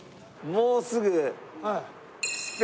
もうすぐ。